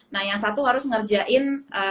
nah yang satu harus ngerjain